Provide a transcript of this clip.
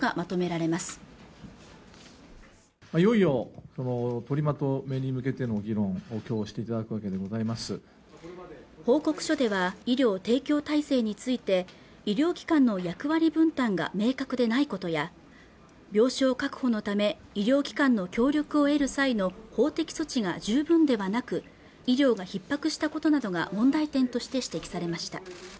これまで報告書では医療提供体制について医療機関の役割分担が明確でない事や病床確保のため医療機関の協力を得る際の法的措置が十分ではなく医療が逼迫したことなどが問題点として指摘されました